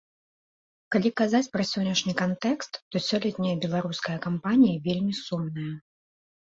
Калі казаць пра сённяшні кантэкст, то сёлетняя беларуская кампанія вельмі сумная.